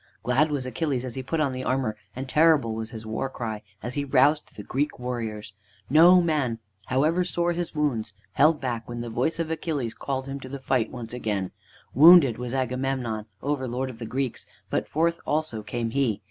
Glad was Achilles as he put on the armor, and terrible was his war cry as he roused the Greek warriors. No man, however sore his wounds, held back when the voice of Achilles called him to the fight once again. Wounded was Agamemnon, overlord of the Greeks, but forth also came he.